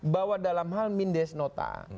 bahwa dalam hal mindes nota